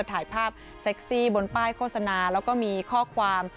ถ่ายภาพเซ็กซี่บนป้ายโฆษณาแล้วก็มีข้อความ